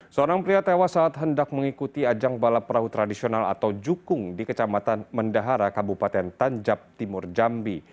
seorang pria tewas saat hendak mengikuti ajang balap perahu tradisional atau jukung di kecamatan mendahara kabupaten tanjab timur jambi